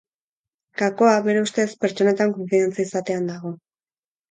Gakoa, bere ustez, pertsonetan konfidantza izatean dago.